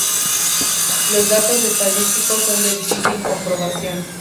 Los datos estadísticos son de difícil comprobación.